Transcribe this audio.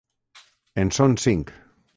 En són cinc.